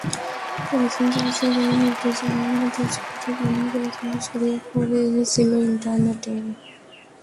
Polythene jersey গায়ে মুর্তাজা আহমাদির ছবিটা কেমন করে যেন ছড়িয়ে পড়েছিল ইন্টারনেটে।